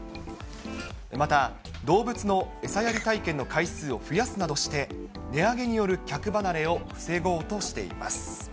また、動物の餌やり体験の回数を増やすなどして、値上げによる客離れを防ごうとしています。